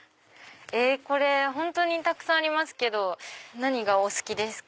本当にたくさんありますけど何がお好きですか？